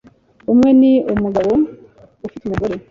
umwe ni umugabo ufite umugore